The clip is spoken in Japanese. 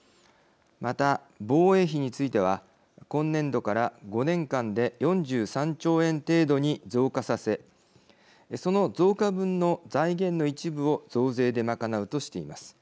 また、防衛費については今年度から５年間で４３兆円程度に増加させその増加分の財源の一部を増税で賄うとしています。